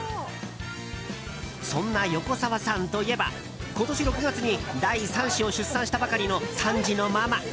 そんな、横澤さんといえば今年６月に第３子を出産したばかりの３児のママ。